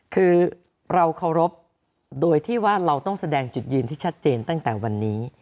คือเราเคารพโดยที่ว่าเราต้องแสดงจุดยืนที่ชัดเจนตั้งแต่วันนี้